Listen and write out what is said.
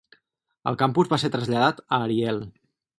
El campus va ser traslladat a Ariel.